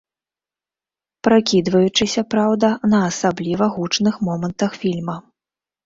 Пракідваючыся, праўда, на асабліва гучных момантах фільма.